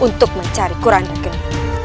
untuk mencari kuranda geni